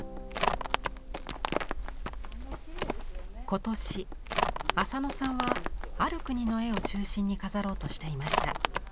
今年浅野さんはある国の絵を中心に飾ろうとしていました。